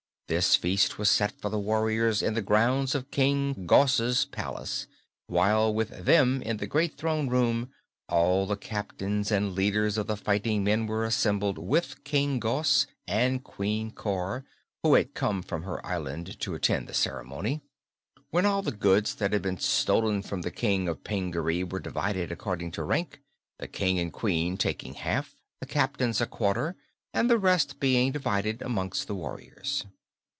This feast was set for the warriors in the grounds of King Gos's palace, while with them in the great throne room all the captains and leaders of the fighting men were assembled with King Gos and Queen Cor, who had come from her island to attend the ceremony. Then all the goods that had been stolen from the King of Pingaree were divided according to rank, the King and Queen taking half, the captains a quarter, and the rest being divided amongst the warriors.